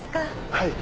はい。